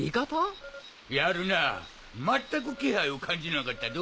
やるなぁ全く気配を感じなかったど。